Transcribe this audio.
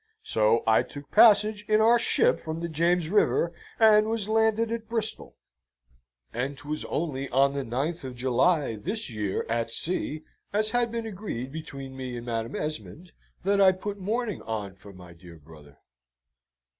So I took passage in our ship from the James River, and was landed at Bristol. And 'twas only on the 9th of July, this year, at sea, as had been agreed between me and Madam Esmond, that I put mourning on for my dear brother."